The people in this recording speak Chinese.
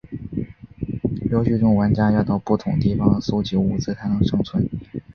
游戏中玩家要到不同地方搜集物资才能生存。